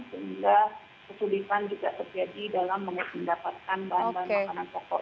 sehingga kesulitan juga terjadi dalam mendapatkan bahan bahan makanan pokok